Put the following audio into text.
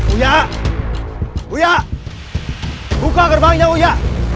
uya uya buka gerbangnya uya